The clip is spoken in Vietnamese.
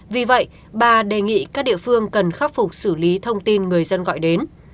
vì vậy bà đề nghị các địa phương cần khắc phục xử lý thông tin người dân gọi đến